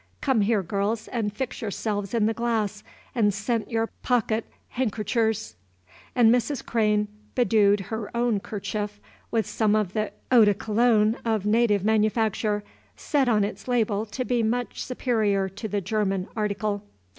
Come here, girls, and fix yourselves in the glass, and scent your pocket handkerchers." And Mrs. Crane bedewed her own kerchief with some of the eau de Cologne of native manufacture, said on its label to be much superior to the German article.